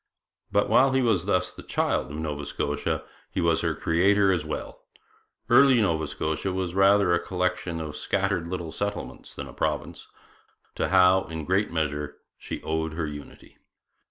But while he was thus the child of Nova Scotia, he was her creator as well. Early Nova Scotia was rather a collection of scattered little settlements than a province. To Howe, in great measure, she owed her unity.